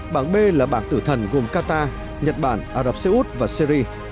bảng b là bảng tử thần gồm qatar nhật bản ả rập xê út và syri